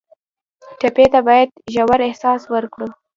ټپي ته باید ژور احساس ورکړو.